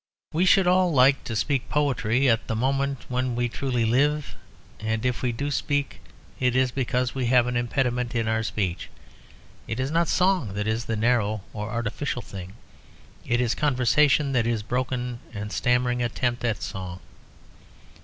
We should all like to speak poetry at the moment when we truly live, and if we do not speak, it is because we have an impediment in our speech. It is not song that is the narrow or artificial thing, it is conversation that is a broken and stammering attempt at song.